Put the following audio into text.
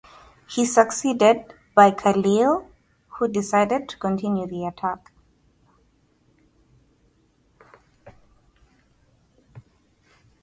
He was succeeded by Khalil who decided to continue the attack.